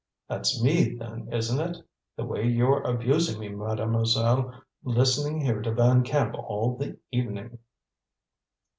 "That's me, then, isn't it? The way you're abusing me, Mademoiselle, listening here to Van Camp all the evening!"